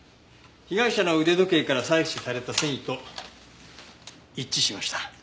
被害者の腕時計から採取された繊維と一致しました。